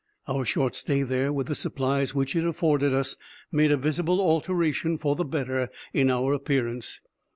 Our short stay there, with the supplies which it afforded us, made a visible alteration for the better in our appearance.